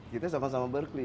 kita sama sama berkeley